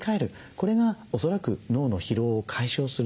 これが恐らく脳の疲労を解消する。